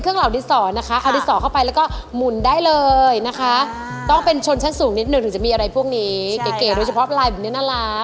อยากได้เหมือนกัน